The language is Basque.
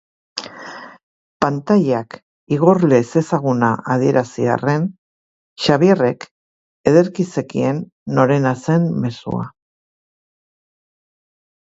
Pantailak igorle ezezaguna adierazi arren, Xabierrek ederki zekien norena zen mezua.